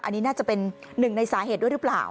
อันนี้น่าจะเป็นหนึ่งในสาเหตุด้วยหรือเปล่า